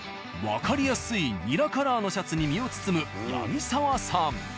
わかりやすいニラカラーのシャツに身を包む。